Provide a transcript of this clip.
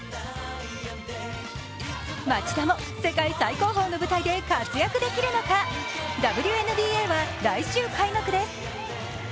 町田も世界最高峰の舞台で活躍できる中、ＷＮＢＡは来週開幕です。